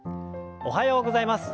おはようございます。